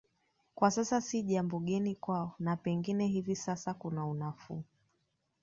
Kwa sasa si jambo geni kwao na pengine hivi sasa kuna unafuu